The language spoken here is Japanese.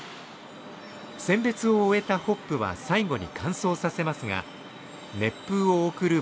選別を終えたホップは最後に乾燥させますが熱風を送る